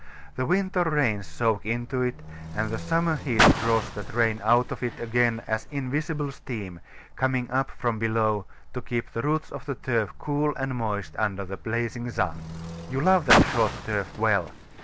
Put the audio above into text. The winter rains soak into it; and the summer heat draws that rain out of it again as invisible steam, coming up from below, to keep the roots of the turf cool and moist under the blazing sun. You love that short turf well.